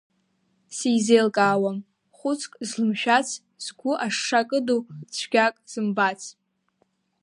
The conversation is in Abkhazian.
Сизеилкаауам хәыцк злымшәац, згәы ашша кыду, цәгьак зымбац.